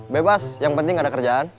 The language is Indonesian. bebas yang penting ada kerjaan